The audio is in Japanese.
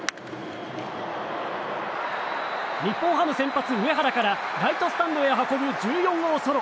日本ハム先発、上原からライトスタンドへ運ぶ１４号ソロ。